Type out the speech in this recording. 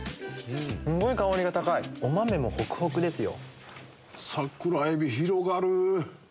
すんごい香りが高いお豆もほくほくですよ。